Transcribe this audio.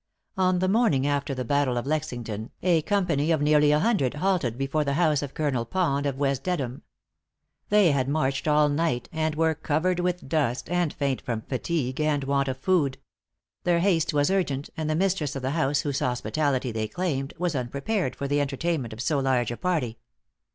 On the morning after the battle of Lexington, a company of nearly a hundred halted before the house of Colonel Pond of West Dedham. They had marched all night, and were covered with dust, and faint from fatigue and want of food. Their haste was urgent, and the mistress of the house whose hospitality they claimed, was unprepared for the entertainment of so large a party.